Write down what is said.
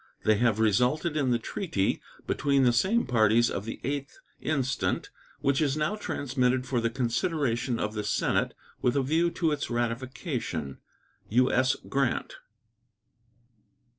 They have resulted in the treaty between the same parties of the 8th instant, which is now transmitted for the consideration of the Senate with a view to its ratification. U.S. GRANT.